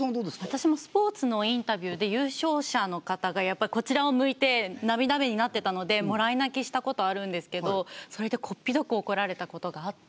私もスポーツのインタビューで優勝者の方がやっぱりこちらを向いて涙目になってたのでもらい泣きしたことはあるんですけどそれでこっぴどく怒られたことがあって。